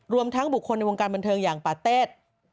รวมทั้งบุคคลในวงการบันเทิงอย่างปาเต็ด